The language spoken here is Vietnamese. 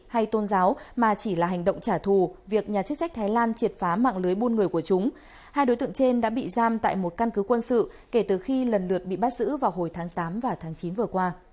hãy đăng ký kênh để ủng hộ kênh của chúng mình nhé